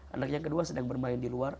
anak yang kedua sedang bermain di luar